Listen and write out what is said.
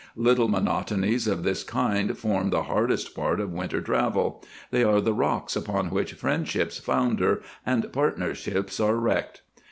Little monotonies of this kind form the hardest part of winter travel, they are the rocks upon which friendships founder and partnerships are wrecked.